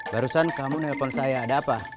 barusan kamu nelpon saya ada apa